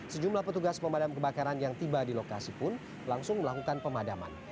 sejumlah petugas pemadam kebakaran yang tiba di lokasi pun langsung melakukan pemadaman